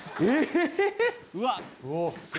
うわっ。